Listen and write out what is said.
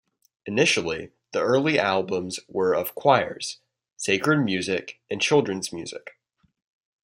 Initially, the early albums were of choirs, sacred music and children's music.